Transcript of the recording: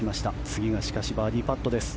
次が、しかしバーディーパットです。